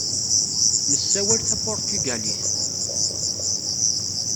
Nessawal tapuṛtugalit.